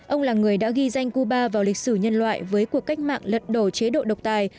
ông là người đã ghi danh cuba vào lịch sử nhân loại với cuộc cách mạng lật đổ chế độ độc tài